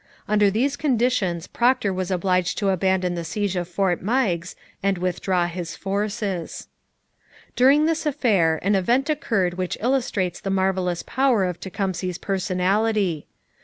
Under these conditions Procter was obliged to abandon the siege of Fort Meigs and withdraw his forces. During this affair an event occurred which illustrates the marvellous power of Tecumseh's personality.